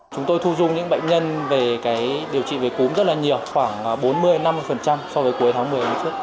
chúng tôi thu dung những bệnh nhân về điều trị về cúm rất là nhiều khoảng bốn mươi năm mươi so với cuối tháng một mươi năm trước